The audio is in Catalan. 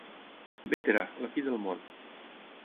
Bétera, la fi del món.